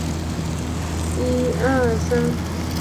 该物种的模式产地在羊卓雍湖。